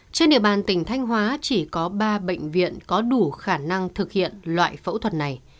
trên địa bàn tỉnh thanh hóa chỉ có ba bệnh viện có đủ khả năng thực hiện loại phẫu thuật này